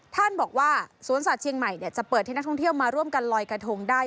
ท่านบอกว่าสวนสัตว์เชียงใหม่จะเปิดให้นักท่องเที่ยวมาร่วมกันลอยกระทงได้